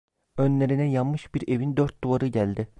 Önlerine yanmış bir evin dört duvarı geldi.